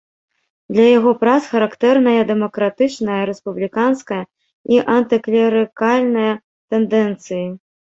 Для яго прац характэрная дэмакратычная, рэспубліканская і антыклерыкальная тэндэнцыі.